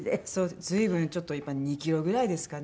随分ちょっとやっぱ２キロぐらいですかね